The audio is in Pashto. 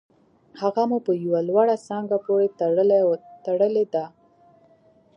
هغه مو په یوه لوړه څانګه پورې تړلې ده